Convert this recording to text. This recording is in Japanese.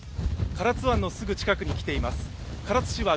唐津湾のすぐ近くに来ています。